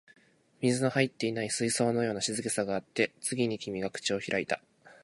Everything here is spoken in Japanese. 水の入っていない水槽のような静けさがあって、次に君が口を開いた